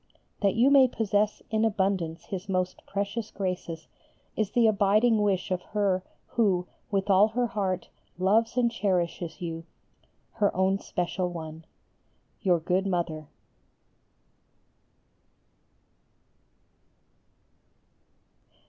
That you may possess in abundance His most precious graces is the abiding wish of her who with all her heart loves and cherishes you, her own special one. Your good Mother.